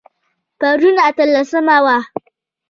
پرون اتلسمه وه